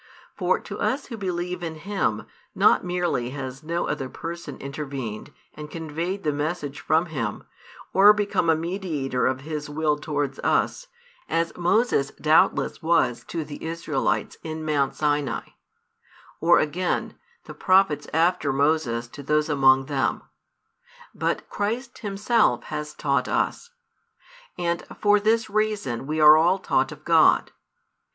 For to us who believe in Him, not merely has no other person intervened and conveyed the message from Him, or become a mediator of His Will towards us, as Moses doubtless was to the Israelites in Mount Sinai: or again, the prophets after Moses to those among them; but Christ Himself has taught us. And for this reason we are all taught of God.